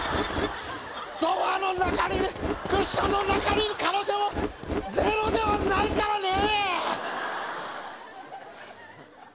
ソファーの中にクッションの中にいる可能性もゼロではないからねー！